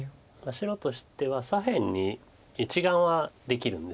白としては左辺に１眼はできるんです。